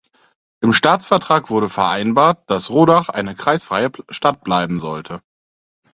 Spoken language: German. Im Staatsvertrag wurde vereinbart, dass Rodach eine kreisfreie Stadt bleiben sollte.